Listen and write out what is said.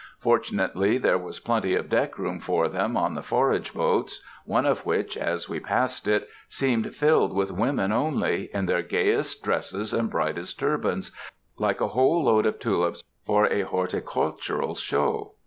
Fortunately there was plenty of deck room for them on the forage boats, one of which, as we passed it, seemed filled with women only, in their gayest dresses and brightest turbans, like a whole load of tulips for a horticultural show.